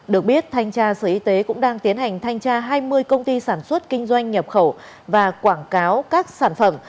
được biết thanh tra sở y tế cũng đang tiến hành thanh tra hai mươi công ty sản xuất kinh doanh nhập khẩu và quảng cáo các sản phẩm